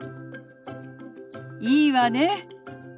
いいわね。